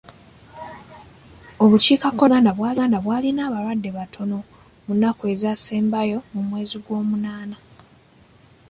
Obukiikakkono bwa Uganda bw'alina abalwadde batono mu nnaku ezasembayo mu mwezi gw'omunaana.